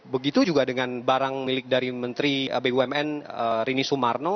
begitu juga dengan barang milik dari menteri bumn rini sumarno